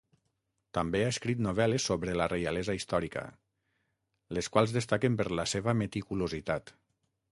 També ha escrit novel·les sobre la reialesa històrica, les quals destaquen per la seva meticulositat.